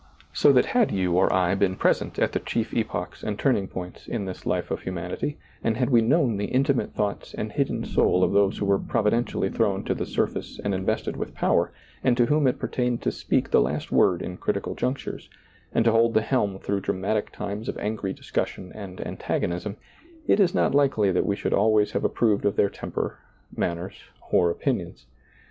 So that had you or I been present at the chief epochs and turning points in the life of humanity, and had we known the inti mate thoughts and hidden soul of those who were providentially thrown to the surface and invested with power, and to whom it pertained to speak the last word in critical junctures, and to hold the helm through dramatic times of angry discussion and antagonism ; it is not likely that we should always have approved of their temper, manners, or opinions.